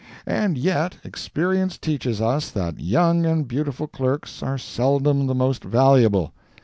And yet experience teaches us that young and beautiful clerks are seldom the most valuable.